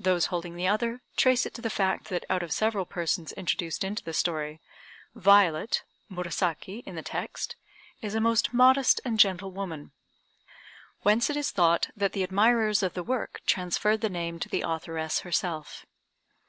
Those holding the other, trace it to the fact that out of several persons introduced into the story, Violet (Murasaki in the text) is a most modest and gentle woman, whence it is thought that the admirers of the work transferred the name to the authoress herself.